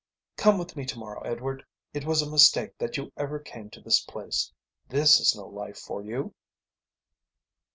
"Come with me to morrow, Edward. It was a mistake that you ever came to this place. This is no life for you."